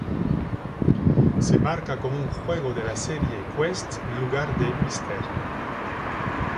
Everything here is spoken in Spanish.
Se marca como un juego de la serie "Quest" en lugar de Mr.